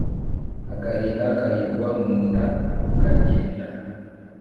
agahinda kayigwa munda karyenda,